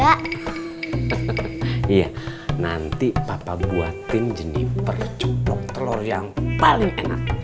hahaha iya nanti papa buatin jeniper ceplok telur yang paling enak